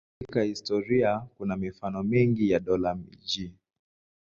Katika historia kuna mifano mingi ya dola-miji.